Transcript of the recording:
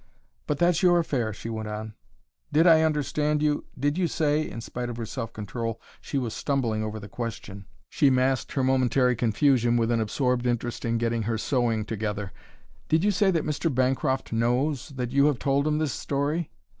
"But that's your affair," she went on. "Did I understand you did you say " In spite of her self control she was stumbling over the question. She masked her momentary confusion with an absorbed interest in getting her sewing together. "Did you say that Mr. Bancroft knows that you have told him this story?"